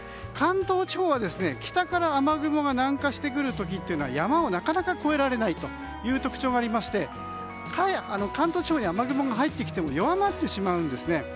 関東地方は北から雨雲が南下してくる時というのは山をなかなか越えられない特徴がありまして関東地方に雨雲が入ってきても弱まってしまうんですね。